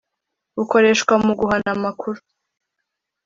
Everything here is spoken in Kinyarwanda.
bukoreshwa mu guhana amakuru